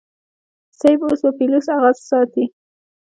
صيب اوس به پوليس اغه ساتي.